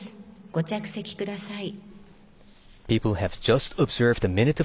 ご着席ください。